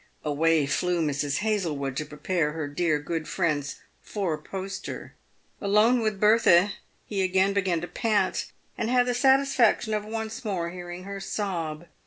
Away flew Mrs. Hazlewood to pre pare her dear, good friend's four poster. Alone with Bertha, he again began to pant, and had the satisfaction of once more hearing her sob.